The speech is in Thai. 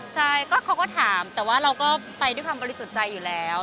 ใช่เขาก็ถามแต่ว่าเราก็ไปด้วยความบริสุทธิ์ใจอยู่แล้ว